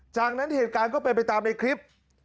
จากนั้นเหตุการณ์ก็เป็นไปตามในคลิป